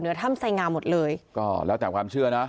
ถ้ำใส่งามหมดเลยก็แล้วแต่ความเชื่อนะ